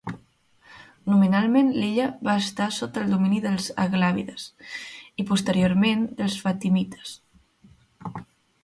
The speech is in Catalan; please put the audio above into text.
Nominalment l'illa va estar sota el domini dels aglàbides i, posteriorment, dels fatimites.